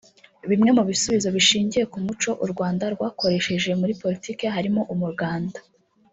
Bimwe mu bisubizo bishingiye ku muco u Rwanda rwakoresheje muri Politiki harimo umuganda